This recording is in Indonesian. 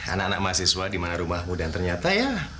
anak anak mahasiswa dimana rumahmu dan ternyata ya